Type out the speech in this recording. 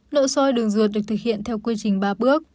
nội soi đường ruột được thực hiện theo quy trình ba bước